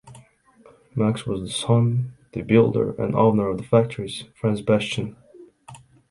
Max was the son the builder and owner of the factories Franz Bastian.